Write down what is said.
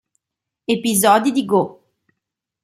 Episodi di Go!